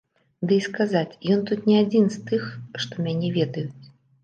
Ды і сказаць, ён тут не адзін з тых, што мяне ведаюць.